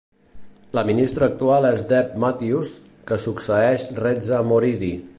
La ministra actual és Deb Matthews, que succeeix Reza Moridi.